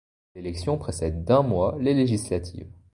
L'élection précède d'un mois les législatives.